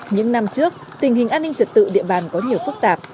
những năm trước tình hình an ninh trật tự địa bàn có nhiều phức tạp